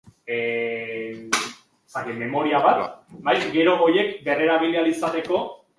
Además, fundó un grupo de música en Vancouver llamado, "Silk Road Music".